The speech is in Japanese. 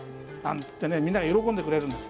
みんなが喜んでくれるんです。